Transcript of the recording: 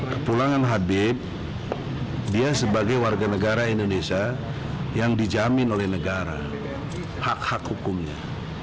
kepulangan habib dia sebagai warga negara indonesia yang dijamin oleh negara hak hak hukumnya